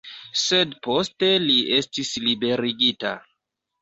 Sed poste li estis liberigita.